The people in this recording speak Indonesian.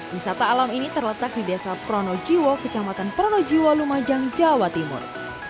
wisata alam ini terletak di desa pronojiwo kecamatan pronojiwa lumajang jawa timur